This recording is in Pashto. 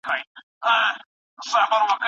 تاسو ولې په ساده ژبه لیکنې کوئ؟